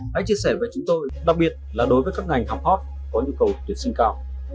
hãy chia sẻ với chúng tôi đặc biệt là đối với các ngành học hot có nhu cầu tuyển sinh cao